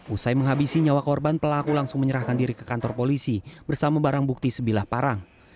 usai menghabisi nyawa korban pelaku langsung menyerahkan diri ke kantor polisi bersama barang bukti sebilah parang